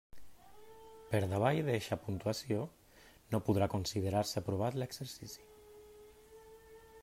Per davall d'eixa puntuació no podrà considerar-se aprovat l'exercici.